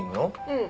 うん。